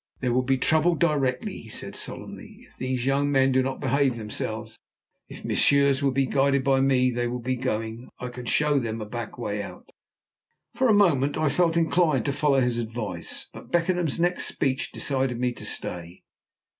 "There will be trouble directly," he said solemnly, "if those young men do not behave themselves. If messieurs will be guided by me, they will be going. I can show them a backway out." For a moment I felt inclined to follow his advice, but Beckenham's next speech decided me to stay.